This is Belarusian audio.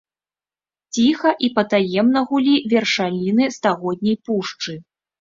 Ціха і патаемна гулі вершаліны стагодняй пушчы.